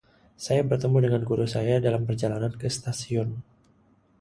Saya bertemu dengan guru saya dalam perjalanan ke stasiun.